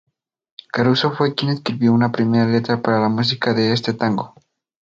Caruso fue quien escribió una primera letra para la música de este tango.